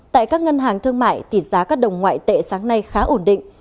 tại các ngân hàng thương mại tỷ giá các đồng ngoại tệ sáng nay khá ổn định